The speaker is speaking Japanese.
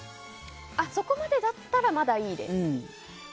そこまでだったらまだいいです。